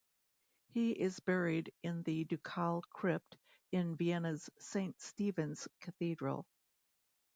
He is buried in the Ducal Crypt in Vienna's Saint Stephen's Cathedral.